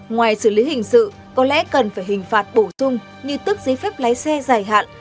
ngoài xử lý hình sự có lẽ cần phải hình phạt bổ sung như tức giấy phép lái xe dài hạn